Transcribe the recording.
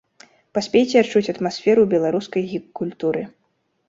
Паспейце адчуць атмасферу беларускай гік-культуры.